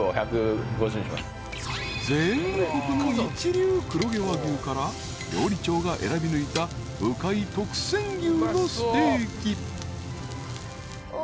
［全国の一流黒毛和牛から料理長が選び抜いたうかい特選牛のステーキ］